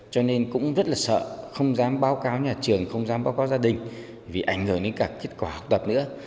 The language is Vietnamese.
cho nên cũng rất là sợ không dám báo cáo nhà trường không dám báo cáo gia đình vì ảnh hưởng đến cả kết quả học tập nữa